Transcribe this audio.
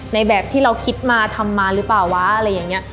ในแบบที่เราคิดมาทำมาหรือเปล่าวะอะไรอย่างนี้